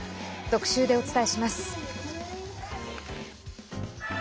特集でお伝えします。